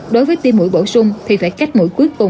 đối với tim mũi bổ sung thì phải cách mũi cuối cùng